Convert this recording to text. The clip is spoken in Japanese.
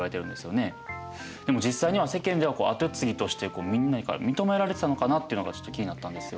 でも実際には世間では後継ぎとしてみんなから認められてたのかなってのがちょっと気になったんですよ。